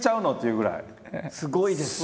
すごいですよね。